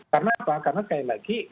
karena apa karena sekali lagi